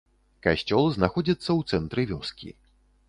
Касцёл знаходзіцца ў цэнтры вёскі.